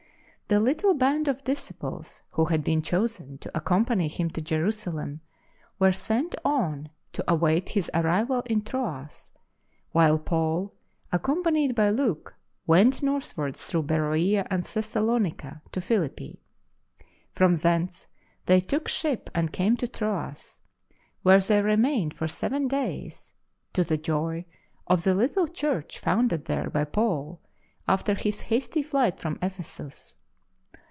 The little band of disciples who had been chosen to accompany him to Jerusalem were sent on to await his arrival in Troas, while Paul, accompanied by Luke, went northwards through Beroea and Thessalonica to Philippi. From thence they took ship and came to Troas, where they remained for seven days, to the joy of the little Church founded there by Paul after his hasty flight from Ephesus.